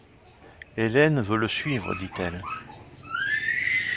Hélène veut le suivre, dit-elle.